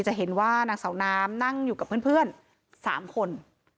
จะเห็นว่านางสาวน้ำนั่งอยู่กับเพื่อน๓คน